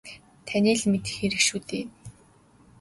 Таны л мэдэх хэрэг шүү дээ.